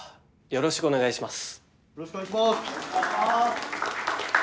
よろしくお願いします